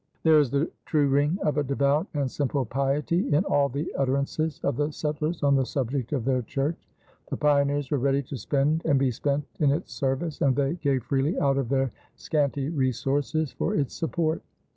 There is the true ring of a devout and simple piety in all the utterances of the settlers on the subject of their church. The pioneers were ready to spend and be spent in its service and they gave freely out of their scanty resources for its support.